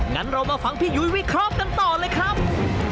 งั้นเรามาฟังพี่ยุ้ยวิเคราะห์กันต่อเลยครับ